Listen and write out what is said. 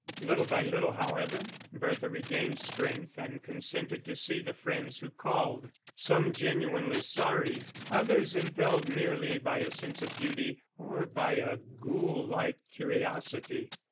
Little by little, however, Bertha regained strength and consented to see the friends who called, some genuinely sorry, others impelled merely by a sense of duty or by a ghoul like curiosity.